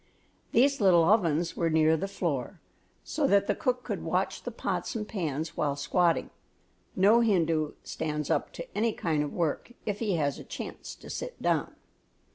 These little ovens were near the floor, so that the cook could watch the pots and pans while squatting. No Hindu stands up to any kind of work if he has a chance to sit down.